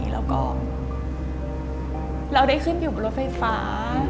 แล้วก็เราได้ขึ้นอยู่บนรถไฟฟ้า